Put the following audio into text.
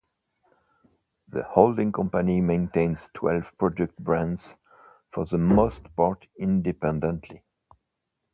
The holding company maintains twelve product brands, for the most part independently.